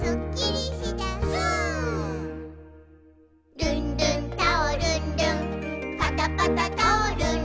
「ルンルンタオルン・ルンパタパタタオルン・ルン」